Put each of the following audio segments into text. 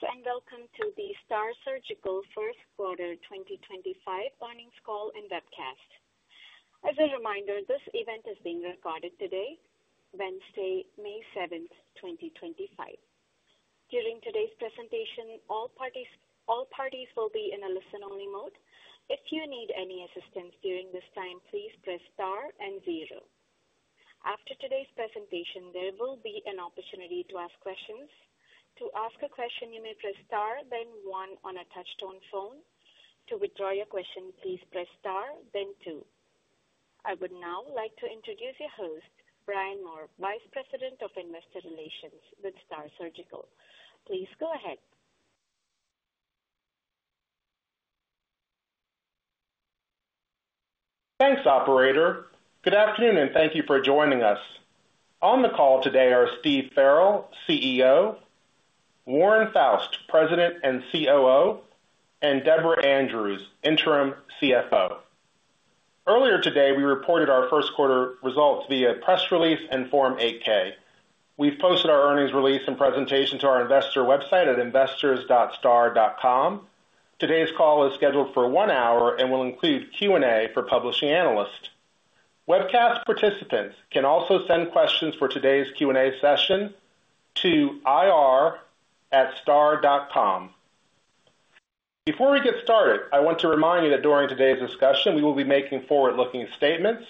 Greetings and welcome to the STAAR Surgical First Quarter 2025 Morning Call and Webcast. As a reminder, this event is being recorded today, Wednesday, May 7th, 2025. During today's presentation, all parties will be in a listen-only mode. If you need any assistance during this time, please press star and zero. After today's presentation, there will be an opportunity to ask questions. To ask a question, you may press star, then 1 on a touchtone phone. To withdraw your question, please press *, then 2. I would now like to introduce your host, Brian Moore, Vice President of Investor Relations with STAAR Surgical. Please go ahead. Thanks, Operator. Good afternoon, and thank you for joining us. On the call today are Steve Farrell, CEO; Warren Foust, President and COO; and Deborah Andrews, Interim CFO. Earlier today, we reported our first quarter results via press release and Form 8-K. We've posted our earnings release and presentation to our investor website at investors.staar.com. Today's call is scheduled for one hour and will include Q&A for publishing analysts. Webcast participants can also send questions for today's Q&A session to IR@staar.com. Before we get started, I want to remind you that during today's discussion, we will be making forward-looking statements.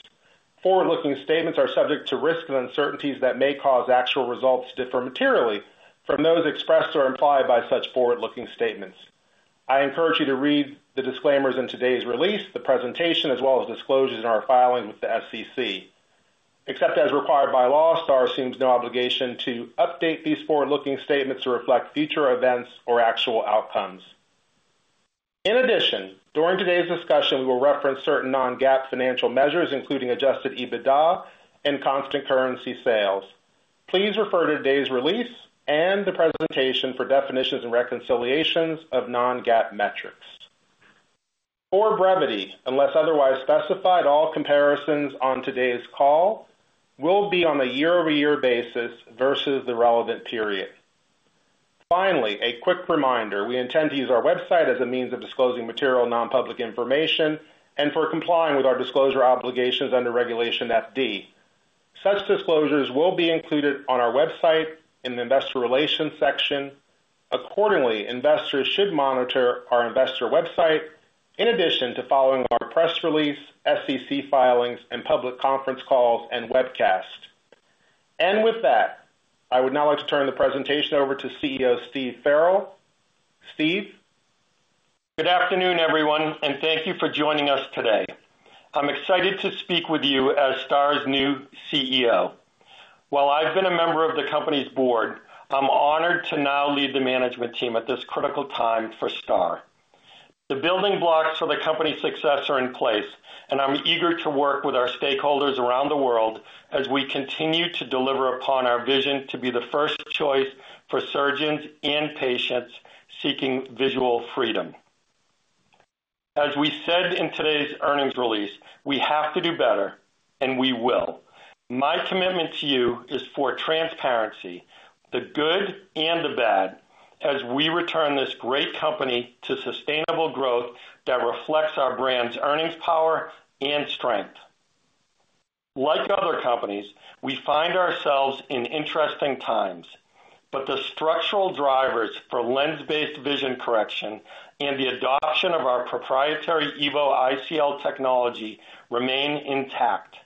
Forward-looking statements are subject to risks and uncertainties that may cause actual results to differ materially from those expressed or implied by such forward-looking statements. I encourage you to read the disclaimers in today's release, the presentation, as well as disclosures in our filing with the SEC. Except as required by law, STAAR assumes no obligation to update these forward-looking statements to reflect future events or actual outcomes. In addition, during today's discussion, we will reference certain non-GAAP financial measures, including adjusted EBITDA and constant currency sales. Please refer to today's release and the presentation for definitions and reconciliations of non-GAAP metrics. For brevity, unless otherwise specified, all comparisons on today's call will be on a year-over-year basis versus the relevant period. Finally, a quick reminder: we intend to use our website as a means of disclosing material nonpublic information and for complying with our disclosure obligations under Regulation FD. Such disclosures will be included on our website in the Investor Relations section. Accordingly, investors should monitor our investor website in addition to following our press release, SEC filings, and public conference calls and webcasts. With that, I would now like to turn the presentation over to CEO Steve Farrell. Steve. Good afternoon, everyone, and thank you for joining us today. I'm excited to speak with you as STAAR's new CEO. While I've been a member of the company's board, I'm honored to now lead the management team at this critical time for STAAR. The building blocks for the company's success are in place, and I'm eager to work with our stakeholders around the world as we continue to deliver upon our vision to be the first choice for surgeons and patients seeking visual freedom. As we said in today's earnings release, we have to do better, and we will. My commitment to you is for transparency, the good and the bad, as we return this great company to sustainable growth that reflects our brand's earnings power and strength. Like other companies, we find ourselves in interesting times, but the structural drivers for lens-based vision correction and the adoption of our proprietary EVO ICL technology remain intact.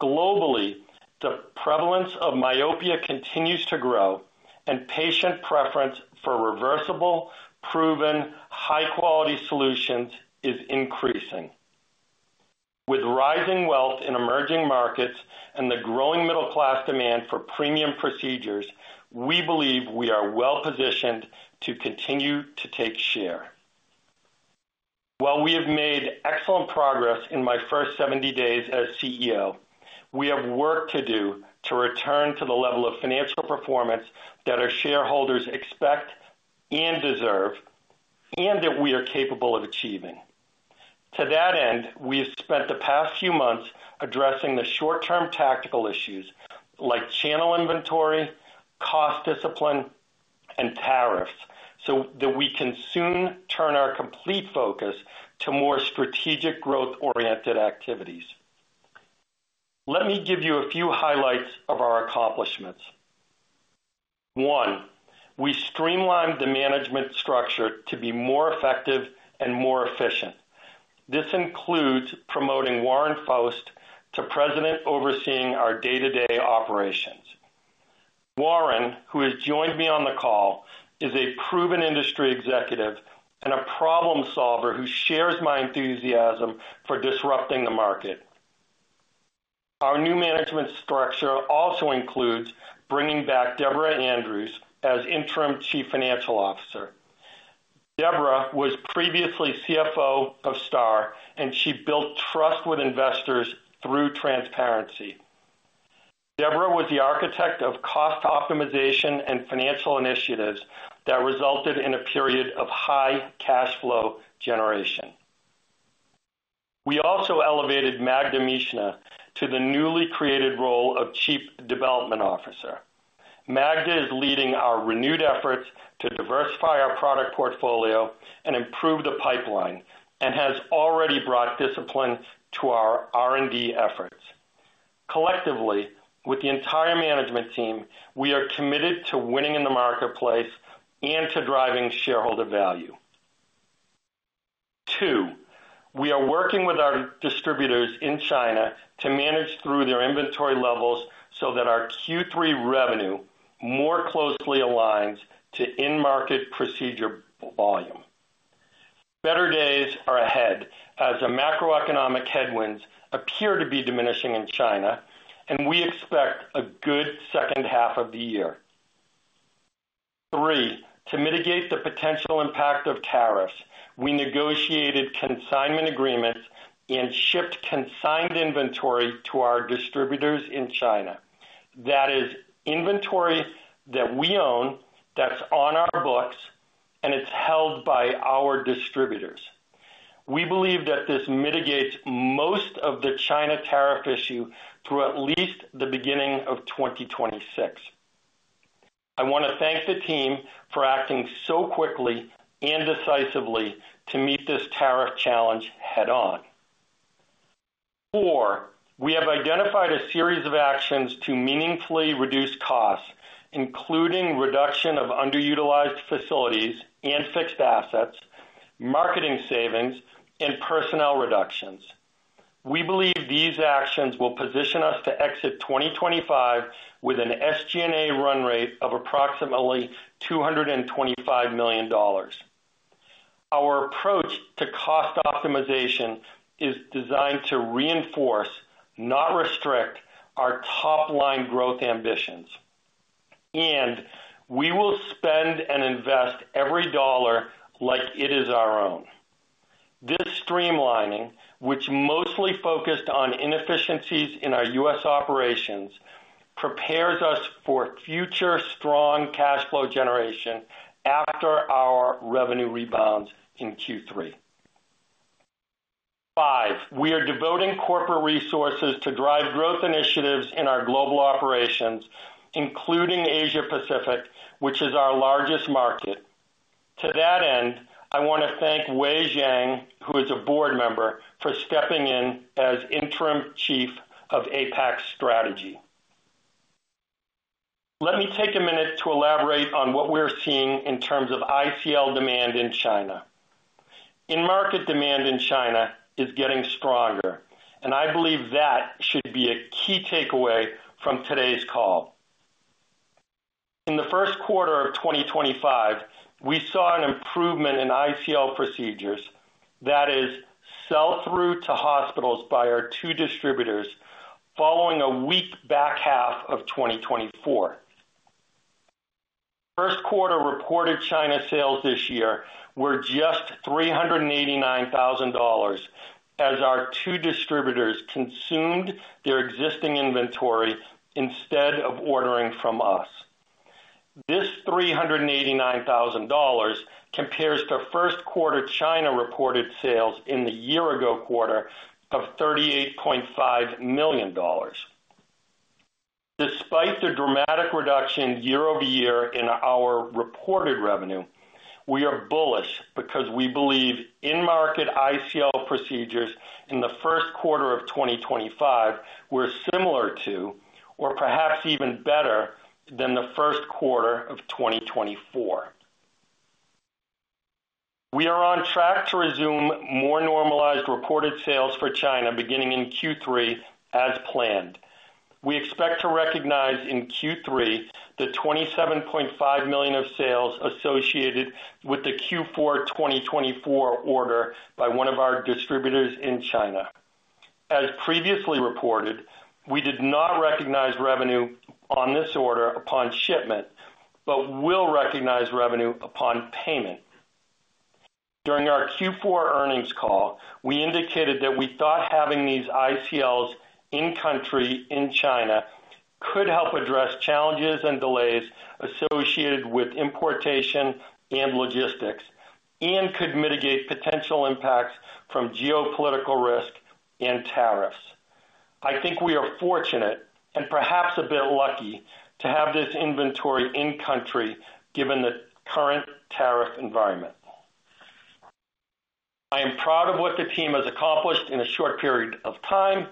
Globally, the prevalence of myopia continues to grow, and patient preference for reversible, proven, high-quality solutions is increasing. With rising wealth in emerging markets and the growing middle-class demand for premium procedures, we believe we are well-positioned to continue to take share. While we have made excellent progress in my first 70 days as CEO, we have work to do to return to the level of financial performance that our shareholders expect and deserve, and that we are capable of achieving. To that end, we have spent the past few months addressing the short-term tactical issues like channel inventory, cost discipline, and tariffs so that we can soon turn our complete focus to more strategic growth-oriented activities. Let me give you a few highlights of our accomplishments. One, we streamlined the management structure to be more effective and more efficient. This includes promoting Warren Foust to President overseeing our day-to-day operations. Warren, who has joined me on the call, is a proven industry executive and a problem solver who shares my enthusiasm for disrupting the market. Our new management structure also includes bringing back Deborah Andrews as Interim Chief Financial Officer. Deborah was previously CFO of STAAR, and she built trust with investors through transparency. Deborah was the architect of cost optimization and financial initiatives that resulted in a period of high cash flow generation. We also elevated Magda Michna to the newly created role of Chief Development Officer. Magda is leading our renewed efforts to diversify our product portfolio and improve the pipeline and has already brought discipline to our R&D efforts. Collectively, with the entire management team, we are committed to winning in the marketplace and to driving shareholder value. Two, we are working with our distributors in China to manage through their inventory levels so that our Q3 revenue more closely aligns to in-market procedure volume. Better days are ahead as the macroeconomic headwinds appear to be diminishing in China, and we expect a good second half of the year. Three, to mitigate the potential impact of tariffs, we negotiated consignment agreements and shipped consigned inventory to our distributors in China. That is inventory that we own that's on our books, and it's held by our distributors. We believe that this mitigates most of the China tariff issue through at least the beginning of 2026. I want to thank the team for acting so quickly and decisively to meet this tariff challenge head-on. Four, we have identified a series of actions to meaningfully reduce costs, including reduction of underutilized facilities and fixed assets, marketing savings, and personnel reductions. We believe these actions will position us to exit 2025 with an SG&A run rate of approximately $225 million. Our approach to cost optimization is designed to reinforce, not restrict, our top-line growth ambitions. We will spend and invest every $ like it is our own. This streamlining, which mostly focused on inefficiencies in our U.S. operations, prepares us for future strong cash flow generation after our revenue rebounds in Q3. Five, we are devoting corporate resources to drive growth initiatives in our global operations, including Asia-Pacific, which is our largest market. To that end, I want to thank Wei Jiang, who is a board member, for stepping in as Interim Chief of APAC Strategy. Let me take a minute to elaborate on what we're seeing in terms of ICL demand in China. In-market demand in China is getting stronger, and I believe that should be a key takeaway from today's call. In the first quarter of 2025, we saw an improvement in ICL procedures that is sell-through to hospitals by our two distributors following a weak back 1/2 of 2024. First quarter reported China sales this year were just $389,000 as our two distributors consumed their existing inventory instead of ordering from us. This $389,000 compares to first quarter China reported sales in the year-ago quarter of $38.5 million. Despite the dramatic reduction year-over-year in our reported revenue, we are bullish because we believe in-market ICL procedures in the first quarter of 2025 were similar to, or perhaps even better, than the first quarter of 2024. We are on track to resume more normalized reported sales for China beginning in Q3 as planned. We expect to recognize in Q3 the $27.5 million of sales associated with the Q4 2024 order by one of our distributors in China. As previously reported, we did not recognize revenue on this order upon shipment, but will recognize revenue upon payment. During our Q4 earnings call, we indicated that we thought having these ICLs in-country in China could help address challenges and delays associated with importation and logistics and could mitigate potential impacts from geopolitical risk and tariffs. I think we are fortunate and perhaps a bit lucky to have this inventory in-country given the current tariff environment. I am proud of what the team has accomplished in a short period of time.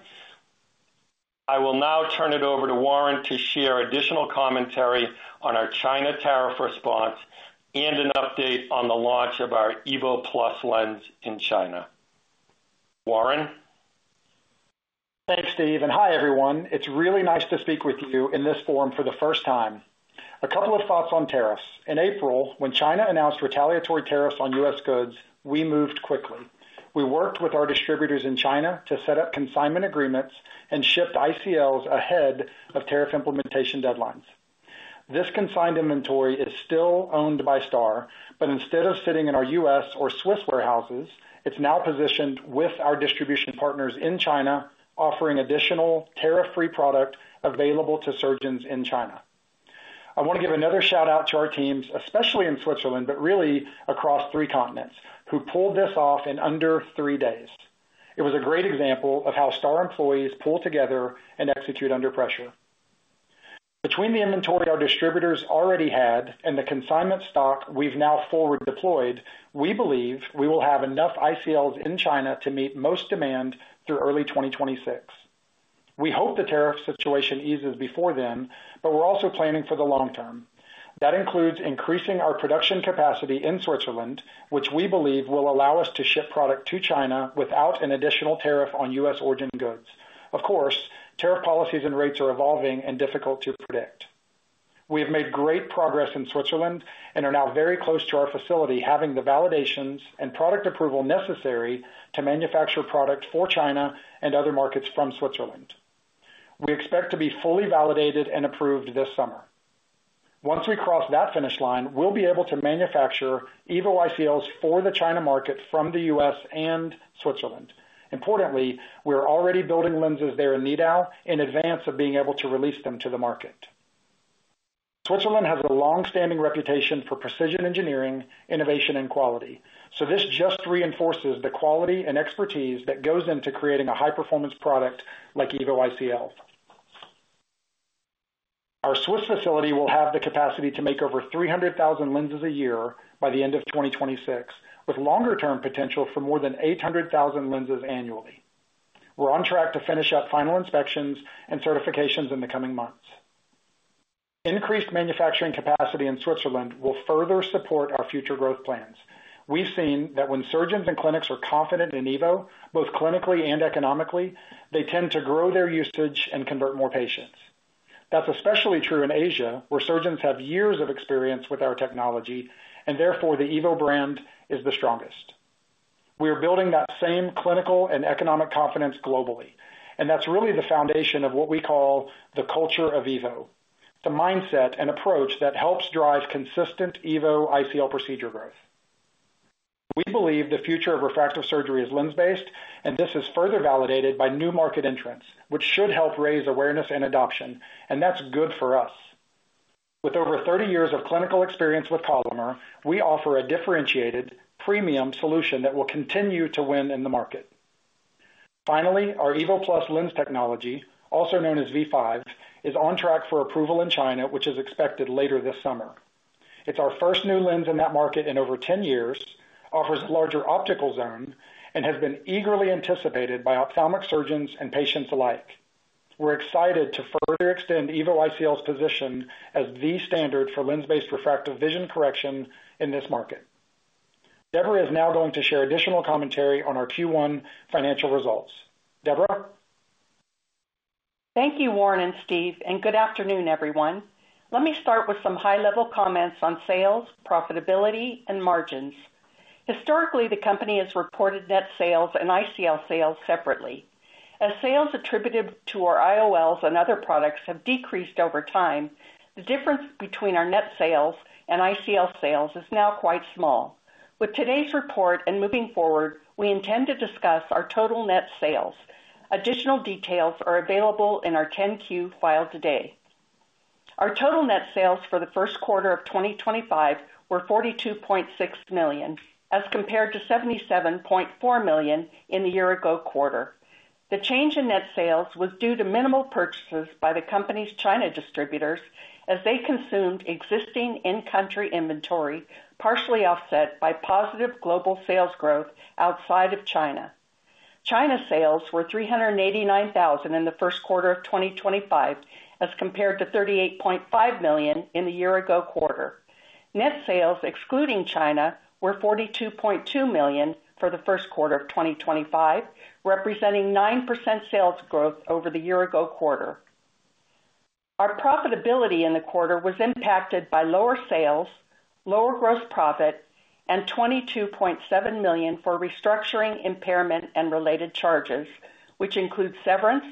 I will now turn it over to Warren to share additional commentary on our China tariff response and an update on the launch of our EVO Plus lens in China. Warren. Thanks, Steve. Hi, everyone. It's really nice to speak with you in this forum for the first time. A couple of thoughts on tariffs. In April, when China announced retaliatory tariffs on U.S. goods, we moved quickly. We worked with our distributors in China to set up consignment agreements and shipped ICLs ahead of tariff implementation deadlines. This consigned inventory is still owned by STAAR, but instead of sitting in our U.S. or Swiss warehouses, it's now positioned with our distribution partners in China offering additional tariff-free product available to surgeons in China. I want to give another shout-out to our teams, especially in Switzerland, but really across three continents, who pulled this off in under three days. It was a great example of how STAAR employees pull together and execute under pressure. Between the inventory our distributors already had and the consignment stock we've now forward-deployed, we believe we will have enough ICLs in China to meet most demand through early 2026. We hope the tariff situation eases before then, but we're also planning for the long term. That includes increasing our production capacity in Switzerland, which we believe will allow us to ship product to China without an additional tariff on U.S. origin goods. Of course, tariff policies and rates are evolving and difficult to predict. We have made great progress in Switzerland and are now very close to our facility having the validations and product approval necessary to manufacture product for China and other markets from Switzerland. We expect to be fully validated and approved this summer. Once we cross that finish line, we'll be able to manufacture EVO ICLs for the China market from the U.S. and Switzerland. Importantly, we're already building lenses there in Nidau in advance of being able to release them to the market. Switzerland has a long-standing reputation for precision engineering, innovation, and quality. This just reinforces the quality and expertise that goes into creating a high-performance product like EVO ICL. Our Swiss facility will have the capacity to make over 300,000 lenses a year by the end of 2026, with longer-term potential for more than 800,000 lenses annually. We're on track to finish up final inspections and certifications in the coming months. Increased manufacturing capacity in Switzerland will further support our future growth plans. We've seen that when surgeons and clinics are confident in EVO, both clinically and economically, they tend to grow their usage and convert more patients. That's especially true in Asia, where surgeons have years of experience with our technology, and therefore the EVO brand is the strongest. We are building that same clinical and economic confidence globally, and that's really the foundation of what we call the culture of EVO, the mindset and approach that helps drive consistent EVO ICL procedure growth. We believe the future of refractive surgery is lens-based, and this is further validated by new market entrants, which should help raise awareness and adoption, and that's good for us. With over 30 years of clinical experience with Collamer, we offer a differentiated, premium solution that will continue to win in the market. Finally, our EVO Plus lens technology, also known as V5, is on track for approval in China, which is expected later this summer. It's our first new lens in that market in over 10 years, offers a larger optical zone, and has been eagerly anticipated by ophthalmic surgeons and patients alike. We're excited to further extend EVO ICL's position as the standard for lens-based refractive vision correction in this market. Deborah is now going to share additional commentary on our Q1 financial results. Deborah. Thank you, Warren and Steve, and good afternoon, everyone. Let me start with some high-level comments on sales, profitability, and margins. Historically, the company has reported net sales and ICL sales separately. As sales attributed to our IOLs and other products have decreased over time, the difference between our net sales and ICL sales is now quite small. With today's report and moving forward, we intend to discuss our total net sales. Additional details are available in our 10Q file today. Our total net sales for the first quarter of 2025 were $42.6 million as compared to $77.4 million in the year-ago quarter. The change in net sales was due to minimal purchases by the company's China distributors as they consumed existing in-country inventory, partially offset by positive global sales growth outside of China. China sales were 389,000 in the first quarter of 2025 as compared to $38.5 million in the year-ago quarter. Net sales excluding China were $42.2 million for the first quarter of 2025, representing 9% sales growth over the year-ago quarter. Our profitability in the quarter was impacted by lower sales, lower gross profit, and $22.7 million for restructuring, impairment, and related charges, which include severance,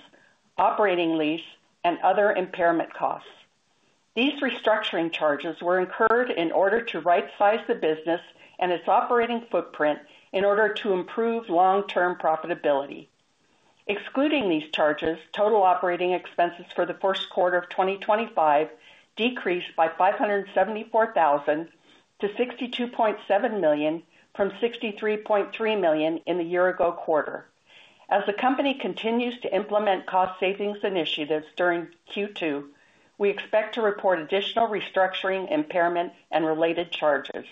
operating lease, and other impairment costs. These restructuring charges were incurred in order to right-size the business and its operating footprint in order to improve long-term profitability. Excluding these charges, total operating expenses for the first quarter of 2025 decreased by $574,000 to $62.7 million from $63.3 million in the year-ago quarter. As the company continues to implement cost savings initiatives during Q2, we expect to report additional restructuring, impairment, and related charges.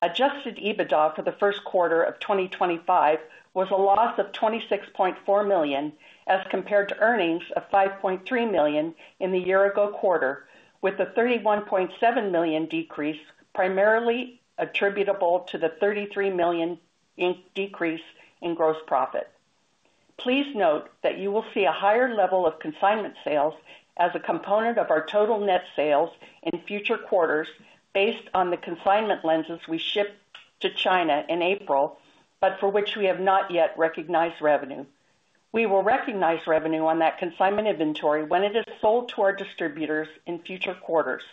Adjusted EBITDA for the first quarter of 2025 was a loss of $26.4 million as compared to earnings of $5.3 million in the year-ago quarter, with a $31.7 million decrease primarily attributable to the $33 million decrease in gross profit. Please note that you will see a higher level of consignment sales as a component of our total net sales in future quarters based on the consignment lenses we shipped to China in April, but for which we have not yet recognized revenue. We will recognize revenue on that consignment inventory when it is sold to our distributors in future quarters.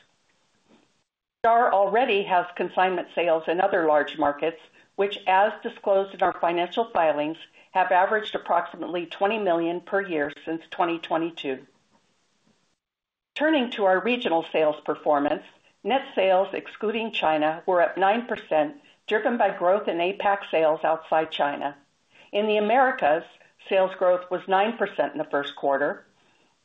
STAAR already has consignment sales in other large markets, which, as disclosed in our financial filings, have averaged approximately $20 million per year since 2022. Turning to our regional sales performance, net sales excluding China were up 9%, driven by growth in APAC sales outside China. In the Americas, sales growth was 9% in the first quarter.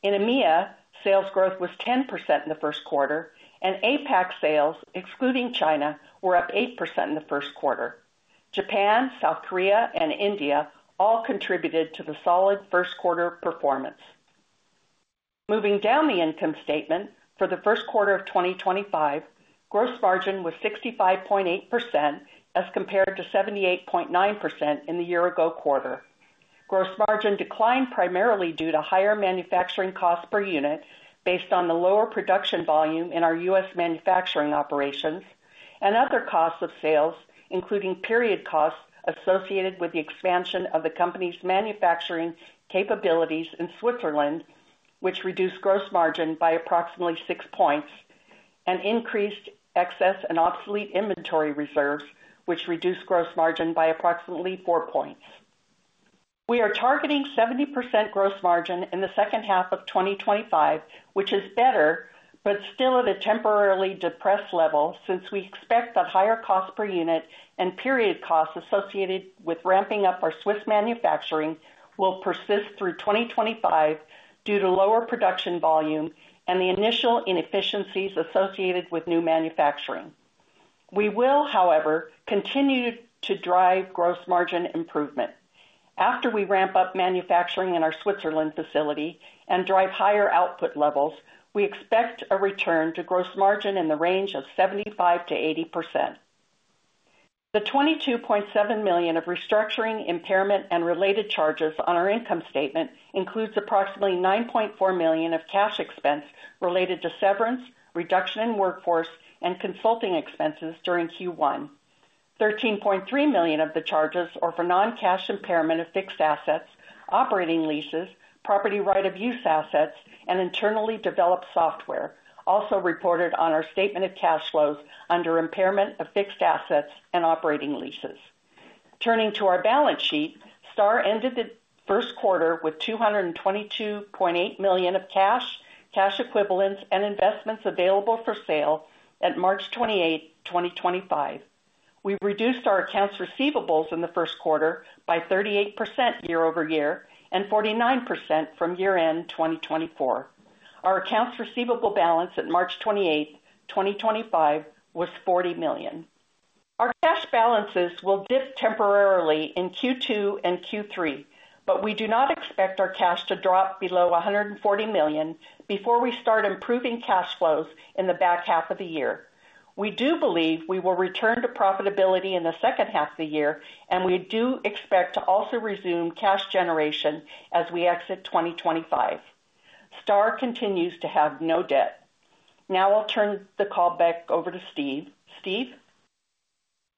In EMEA, sales growth was 10% in the first quarter, and APAC sales, excluding China, were up 8% in the first quarter. Japan, South Korea, and India all contributed to the solid first quarter performance. Moving down the income statement, for the first quarter of 2025, gross margin was 65.8% as compared to 78.9% in the year-ago quarter. Gross margin declined primarily due to higher manufacturing costs per unit based on the lower production volume in our U.S. manufacturing operations and other costs of sales, including period costs associated with the expansion of the company's manufacturing capabilities in Switzerland, which reduced gross margin by approximately 6 percentage points, and increased excess and obsolete inventory reserves, which reduced gross margin by approximately 4 percentage points. We are targeting 70% gross margin in the second half of 2025, which is better, but still at a temporarily depressed level since we expect that higher cost per unit and period costs associated with ramping up our Swiss manufacturing will persist through 2025 due to lower production volume and the initial inefficiencies associated with new manufacturing. We will, however, continue to drive gross margin improvement. After we ramp up manufacturing in our Switzerland facility and drive higher output levels, we expect a return to gross margin in the range of 75%-80%. The $22.7 million of restructuring, impairment, and related charges on our income statement includes approximately $9.4 million of cash expense related to severance, reduction in workforce, and consulting expenses during Q1. $13.3 million of the charges are for non-cash impairment of fixed assets, operating leases, property right-of-use assets, and internally developed software, also reported on our statement of cash flows under impairment of fixed assets and operating leases. Turning to our balance sheet, STAAR ended the first quarter with $222.8 million of cash, cash equivalents, and investments available for sale at March 28, 2025. We reduced our accounts receivables in the first quarter by 38% year-over-year and 49% from year-end 2024. Our accounts receivable balance at March 28, 2025, was $40 million. Our cash balances will dip temporarily in Q2 and Q3, but we do not expect our cash to drop below $140 million before we start improving cash flows in the back 1/2 of the year. We do believe we will return to profitability in the second 1/2 of the year, and we do expect to also resume cash generation as we exit 2025. STAAR continues to have no debt. Now I'll turn the call back over to Steve. Steve?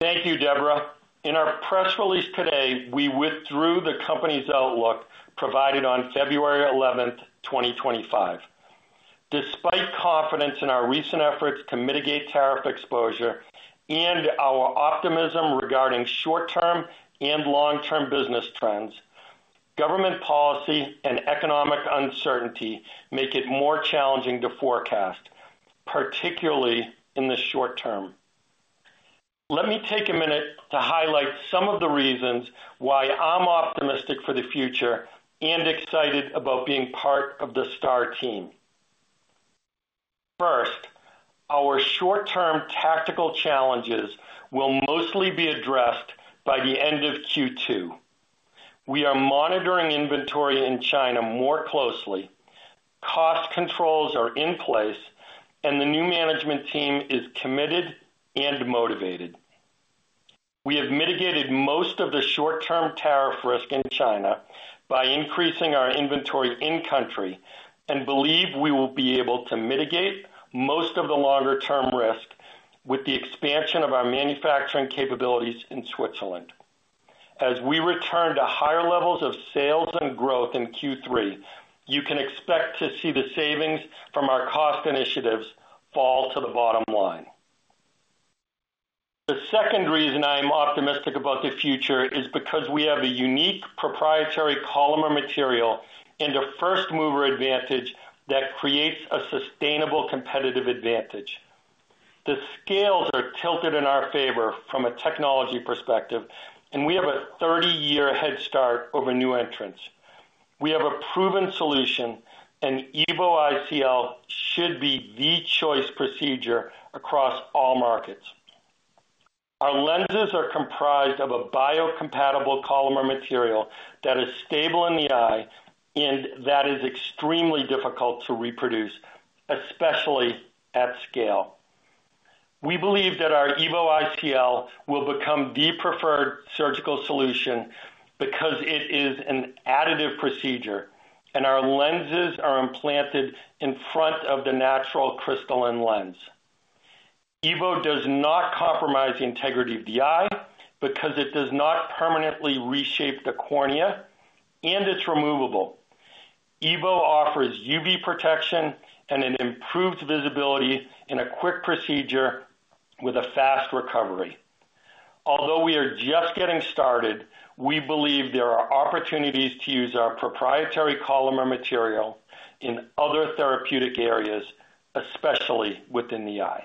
Thank you, Deborah. In our press release today, we withdrew the company's outlook provided on February 11, 2025. Despite confidence in our recent efforts to mitigate tariff exposure and our optimism regarding short-term and long-term business trends, government policy and economic uncertainty make it more challenging to forecast, particularly in the short term. Let me take a minute to highlight some of the reasons why I'm optimistic for the future and excited about being part of the STAAR team. First, our short-term tactical challenges will mostly be addressed by the end of Q2. We are monitoring inventory in China more closely, cost controls are in place, and the new management team is committed and motivated. We have mitigated most of the short-term tariff risk in China by increasing our inventory in-country and believe we will be able to mitigate most of the longer-term risk with the expansion of our manufacturing capabilities in Switzerland. As we return to higher levels of sales and growth in Q3, you can expect to see the savings from our cost initiatives fall to the bottom line. The second reason I am optimistic about the future is because we have a unique proprietary Collamer material and a first-mover advantage that creates a sustainable competitive advantage. The scales are tilted in our favor from a technology perspective, and we have a 30-year head start over new entrants. We have a proven solution, and EVO ICL should be the choice procedure across all markets. Our lenses are comprised of a biocompatible Collamer material that is stable in the eye and that is extremely difficult to reproduce, especially at scale. We believe that our EVO ICL will become the preferred surgical solution because it is an additive procedure, and our lenses are implanted in front of the natural crystalline lens. EVO does not compromise the integrity of the eye because it does not permanently reshape the cornea, and it's removable. EVO offers UV protection and improved visibility in a quick procedure with a fast recovery. Although we are just getting started, we believe there are opportunities to use our proprietary Collamer material in other therapeutic areas, especially within the eye.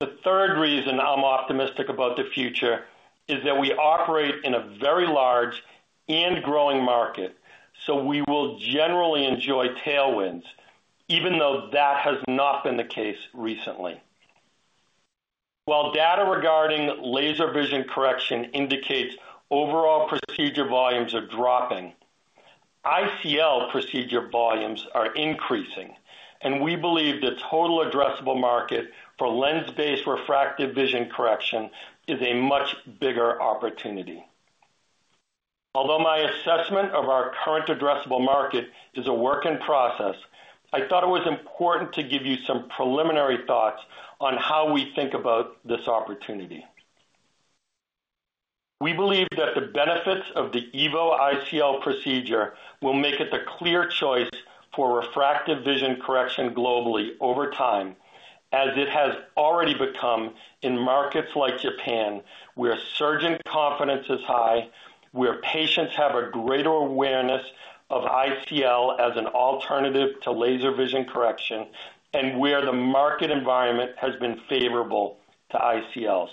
The third reason I'm optimistic about the future is that we operate in a very large and growing market, so we will generally enjoy tailwinds, even though that has not been the case recently. While data regarding laser vision correction indicates overall procedure volumes are dropping, ICL procedure volumes are increasing, and we believe the total addressable market for lens-based refractive vision correction is a much bigger opportunity. Although my assessment of our current addressable market is a work in process, I thought it was important to give you some preliminary thoughts on how we think about this opportunity. We believe that the benefits of the EVO ICL procedure will make it the clear choice for refractive vision correction globally over time, as it has already become in markets like Japan, where surgeon confidence is high, where patients have a greater awareness of ICL as an alternative to laser vision correction, and where the market environment has been favorable to ICLs.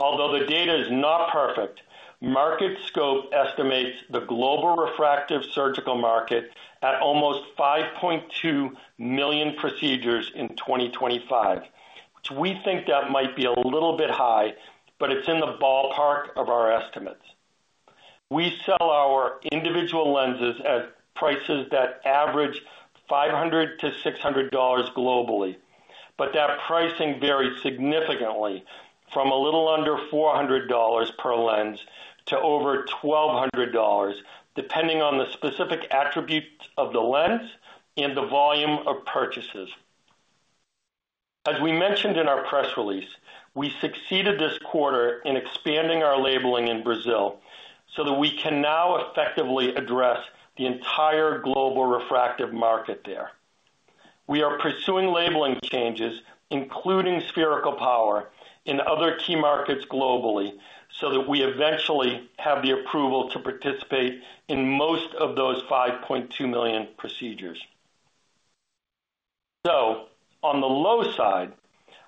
Although the data is not perfect, Market Scope estimates the global refractive surgical market at almost 5.2 million procedures in 2025. We think that might be a little bit high, but it's in the ballpark of our estimates. We sell our individual lenses at prices that average $500-$600 globally, but that pricing varies significantly from a little under $400 per lens to over $1,200, depending on the specific attributes of the lens and the volume of purchases. As we mentioned in our press release, we succeeded this quarter in expanding our labeling in Brazil so that we can now effectively address the entire global refractive market there. We are pursuing labeling changes, including spherical power, in other key markets globally so that we eventually have the approval to participate in most of those 5.2 million procedures. On the low side,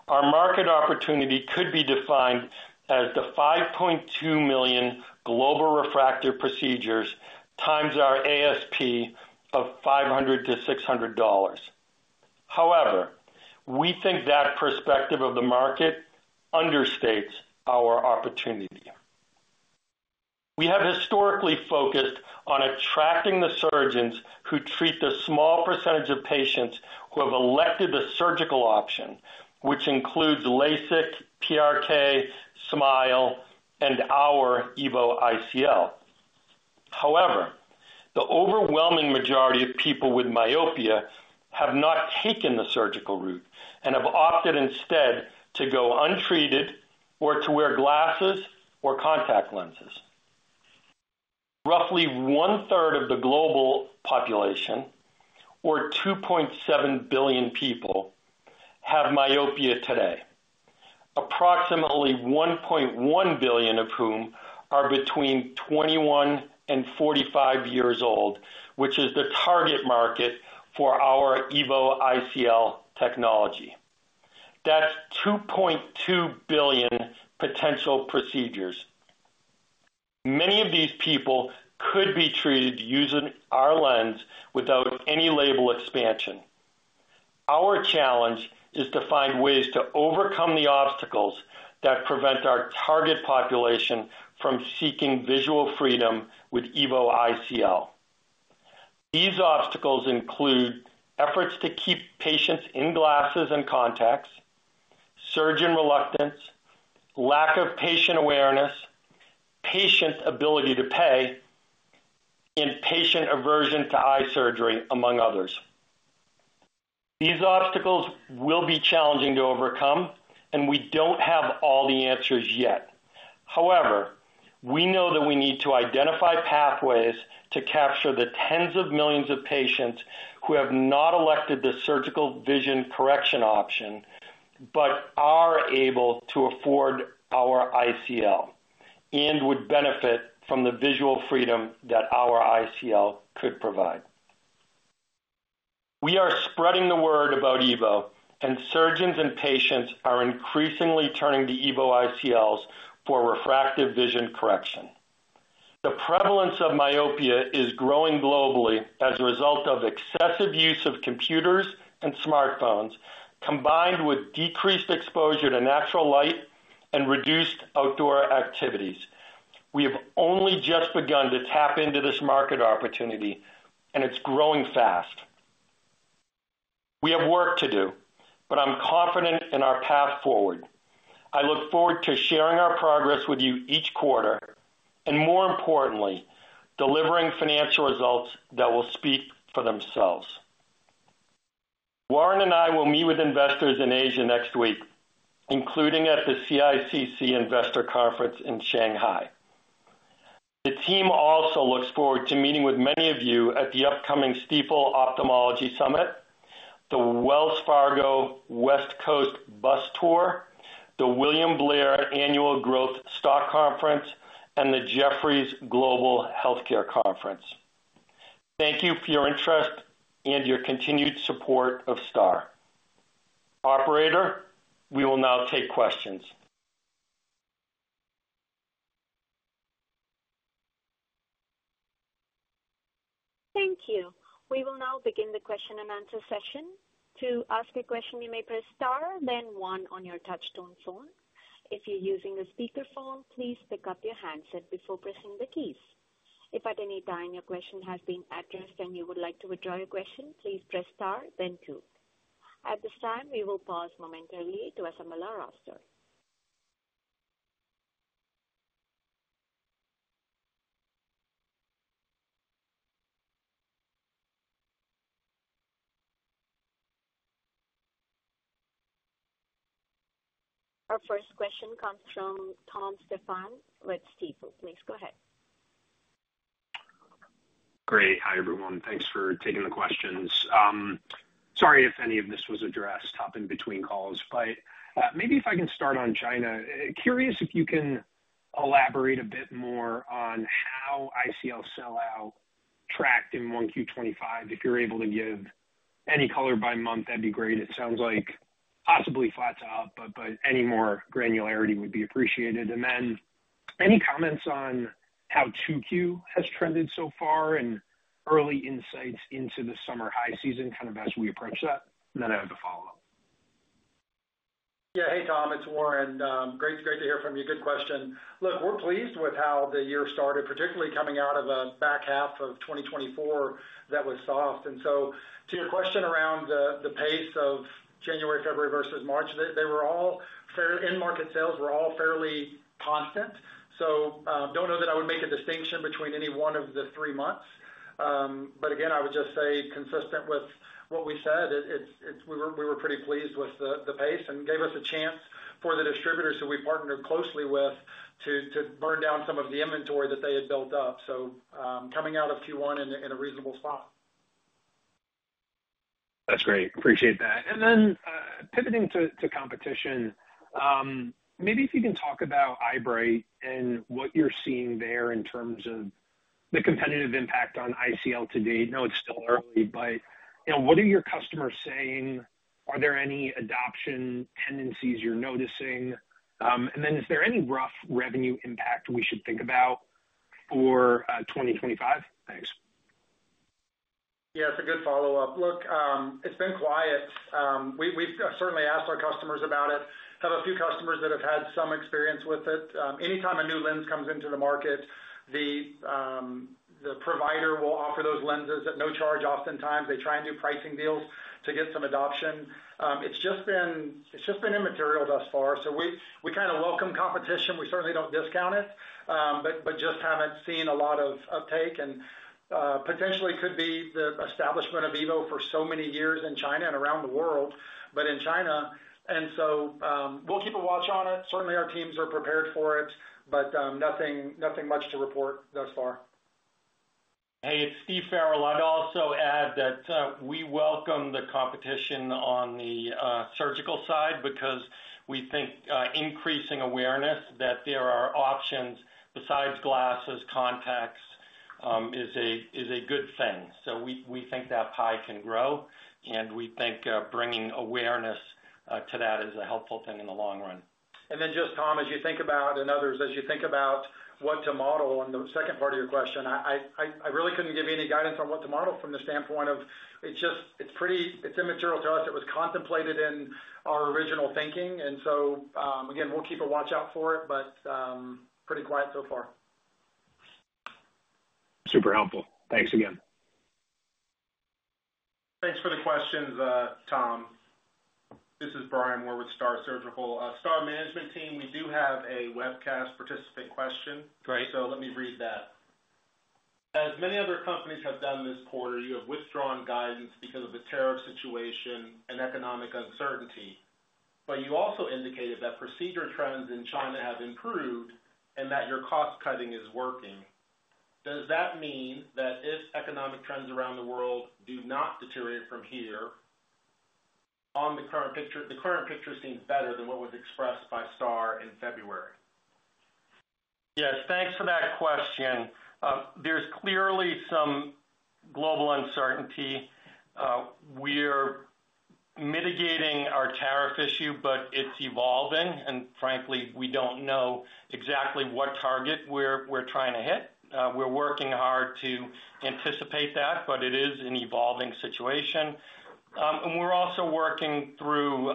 our market opportunity could be defined as the 5.2 million global refractive procedures times our ASP of $500-$600. However, we think that perspective of the market understates our opportunity. We have historically focused on attracting the surgeons who treat the small percentage of patients who have elected the surgical option, which includes LASIK, PRK, SMILE, and our EVO ICL. However, the overwhelming majority of people with myopia have not taken the surgical route and have opted instead to go untreated or to wear glasses or contact lenses. Roughly one-third of the global population, or 2.7 billion people, have myopia today, approximately 1.1 billion of whom are between 21 and 45 years old, which is the target market for our EVO ICL technology. That's 2.2 billion potential procedures. Many of these people could be treated using our lens without any label expansion. Our challenge is to find ways to overcome the obstacles that prevent our target population from seeking visual freedom with EVO ICL. These obstacles include efforts to keep patients in glasses and contacts, surgeon reluctance, lack of patient awareness, patient ability to pay, and patient aversion to eye surgery, among others. These obstacles will be challenging to overcome, and we don't have all the answers yet. However, we know that we need to identify pathways to capture the tens of millions of patients who have not elected the surgical vision correction option but are able to afford our ICL and would benefit from the visual freedom that our ICL could provide. We are spreading the word about EVO, and surgeons and patients are increasingly turning to EVO ICLs for refractive vision correction. The prevalence of myopia is growing globally as a result of excessive use of computers and smartphones, combined with decreased exposure to natural light and reduced outdoor activities. We have only just begun to tap into this market opportunity, and it's growing fast. We have work to do, but I'm confident in our path forward. I look forward to sharing our progress with you each quarter and, more importantly, delivering financial results that will speak for themselves. Warren and I will meet with investors in Asia next week, including at the CICC Investor Conference in Shanghai. The team also looks forward to meeting with many of you at the upcoming Stifel Ophthalmology Summit, the Wells Fargo West Coast Bus Tour, the William Blair Annual Growth Stock Conference, and the Jefferies Global Healthcare Conference. Thank you for your interest and your continued support of STAAR. Operator, we will now take questions. Thank you. We will now begin the question and answer session. To ask a question, you may press *, then 1 on your touch-tone phone. If you're using a speakerphone, please pick up your handset before pressing the keys. If at any time your question has been addressed and you would like to withdraw your question, please press *, then 2. At this time, we will pause momentarily to assemble our roster. Our first question comes from Tom Stephan with Stifel. Please go ahead. Great. Hi, everyone. Thanks for taking the questions. Sorry if any of this was addressed up in between calls, but maybe if I can start on China. Curious if you can elaborate a bit more on how ICL sell-out tracked in 1Q 2025. If you're able to give any color by month, that'd be great. It sounds like possibly flat top, but any more granularity would be appreciated. Any comments on how 2Q has trended so far and early insights into the summer high season kind of as we approach that? I have a follow-up. Yeah. Hey, Tom. It's Warren. Great to hear from you. Good question. Look, we're pleased with how the year started, particularly coming out of the back half of 2024 that was soft. To your question around the pace of January, February versus March, they were all fairly in-market sales were all fairly constant. I don't know that I would make a distinction between any one of the three months. Again, I would just say consistent with what we said, we were pretty pleased with the pace and gave us a chance for the distributors who we partnered closely with to burn down some of the inventory that they had built up. Coming out of Q1 in a reasonable spot. That's great. Appreciate that. Then pivoting to competition, maybe if you can talk about iBright and what you're seeing there in terms of the competitive impact on ICL to date. I know it's still early, but what are your customers saying? Are there any adoption tendencies you're noticing? Is there any rough revenue impact we should think about for 2025? Thanks. Yeah, it's a good follow-up. Look, it's been quiet. We've certainly asked our customers about it. I have a few customers that have had some experience with it. Anytime a new lens comes into the market, the provider will offer those lenses at no charge oftentimes. They try and do pricing deals to get some adoption. It's just been immaterial thus far. We kind of welcome competition. We certainly do not discount it, but just have not seen a lot of uptake. Potentially could be the establishment of EVO for so many years in China and around the world, but in China. We will keep a watch on it. Certainly, our teams are prepared for it, but nothing much to report thus far. Hey, it's Steve Farrell. I'd also add that we welcome the competition on the surgical side because we think increasing awareness that there are options besides glasses, contacts is a good thing. We think that pie can grow, and we think bringing awareness to that is a helpful thing in the long run. Tom, as you think about and others, as you think about what to model on the second part of your question, I really couldn't give you any guidance on what to model from the standpoint of it's just it's pretty it's immaterial to us. It was contemplated in our original thinking. Again, we'll keep a watch out for it, but pretty quiet so far. Super helpful. Thanks again. Thanks for the questions, Tom. This is Brian Moore with STAAR Surgical. STAAR management team, we do have a webcast participant question. Great. Let me read that. As many other companies have done this quarter, you have withdrawn guidance because of the tariff situation and economic uncertainty. You also indicated that procedure trends in China have improved and that your cost cutting is working. Does that mean that if economic trends around the world do not deteriorate from here, on the current picture, the current picture seems better than what was expressed by STAAR in February? Yes. Thanks for that question. There's clearly some global uncertainty. We're mitigating our tariff issue, but it's evolving. Frankly, we don't know exactly what target we're trying to hit. We're working hard to anticipate that, but it is an evolving situation. We're also working through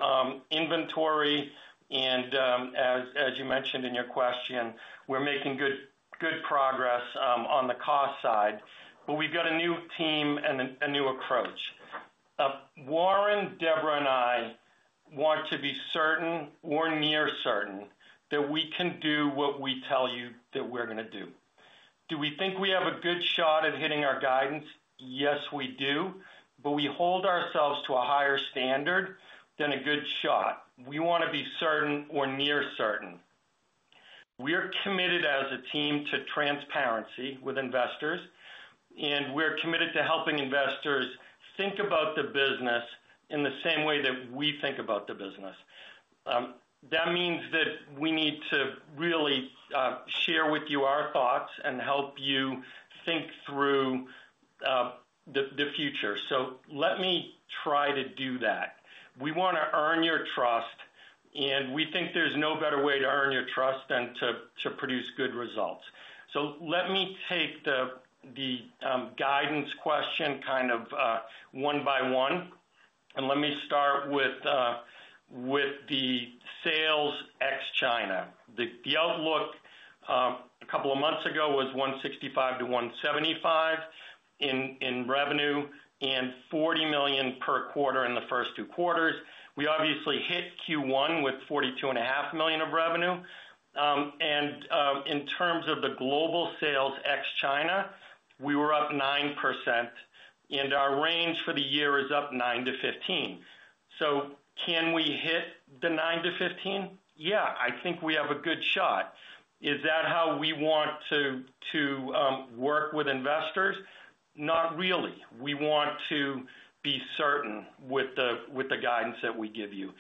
inventory. As you mentioned in your question, we're making good progress on the cost side. We've got a new team and a new approach. Warren, Deborah, and I want to be certain or near certain that we can do what we tell you that we're going to do. Do we think we have a good shot at hitting our guidance? Yes, we do. We hold ourselves to a higher standard than a good shot. We want to be certain or near certain. We are committed as a team to transparency with investors, and we're committed to helping investors think about the business in the same way that we think about the business. That means that we need to really share with you our thoughts and help you think through the future. Let me try to do that. We want to earn your trust, and we think there's no better way to earn your trust than to produce good results. Let me take the guidance question kind of one by one. Let me start with the sales ex-China. The outlook a couple of months ago was $165 million-$175 million in revenue and $40 million per quarter in the first two quarters. We obviously hit Q1 with $42.5 million of revenue. In terms of the global sales ex-China, we were up 9%. Our range for the year is up 9%-15%. Can we hit the 9%-15%? Yeah, I think we have a good shot. Is that how we want to work with investors? Not really. We want to be certain with the guidance that we give you.